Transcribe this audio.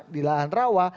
di lahan rawa